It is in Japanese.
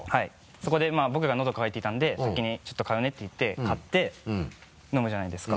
そこで僕がのどが渇いていたんで先にちょっと買うねって言って買って飲むじゃないですか。